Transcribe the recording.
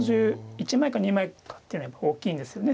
１枚か２枚かっていうのは大きいんですよね